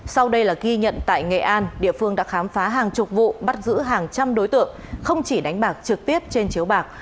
sau đây là ghi nhận tại nghệ an địa phương đã khám phá hàng chục vụ bắt giữ hàng trăm đối tượng không chỉ đánh bạc trực tiếp trên chiếu bạc